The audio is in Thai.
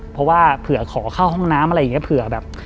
เพราะว่าเผื่อขอเข้าห้องน้ำอะไรอย่างนี้เผื่อแบบ